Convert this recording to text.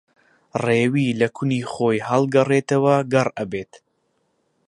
ڕێوی لە کونی خۆی ھەڵگەڕێتەوە گەڕ ئەبێت